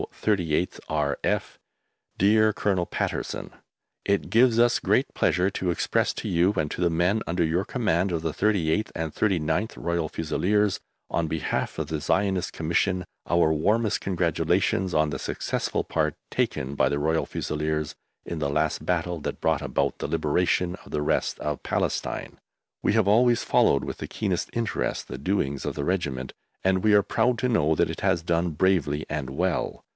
38TH R.F. DEAR COLONEL PATTERSON, It gives us great pleasure to express to you and to the men under your command of the 38th and 39th Royal Fusiliers, on behalf of the Zionist Commission, our warmest congratulations on the successful part taken by the Royal Fusiliers in the last battle that brought about the liberation of the rest of Palestine. We have always followed with the keenest interest the doings of the Regiment, and we are proud to know that it has done bravely and well.